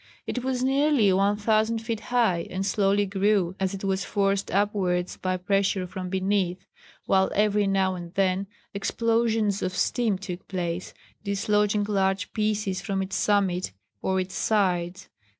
It was nearly 1000 feet high, and slowly grew as it was forced upwards by pressure from beneath, while every now and then explosions of steam took place, dislodging large pieces from its summit or its sides.